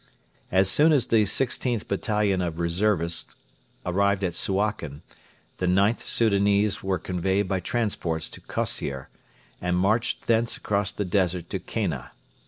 As soon as the 16th Battalion of reservists arrived at Suakin, the IXth Soudanese were conveyed by transports to Kossier, and marched thence across the desert to Kena.